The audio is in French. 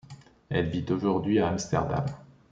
Elle vit aujourd'hui à Amsterdam.